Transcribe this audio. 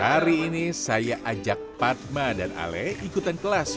hari ini saya ajak padma dan ale ikutan kelas